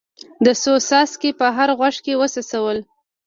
ده څو څاڅکي په هر غوږ کې وڅڅول.